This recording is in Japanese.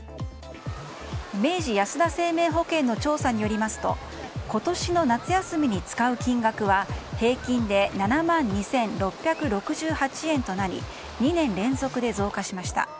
明治安田生命保険の調査によりますと今年の夏休みに使う金額は平均で７万２６６８円となり２年連続で増加しました。